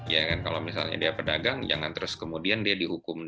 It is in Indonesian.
ya kan kalau misalnya dia pedagang jangan terus kemudian dia dihukum